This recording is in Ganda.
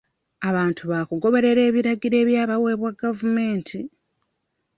Abantu baakugoberera ebiragiro ebyabawebwa gavumenti.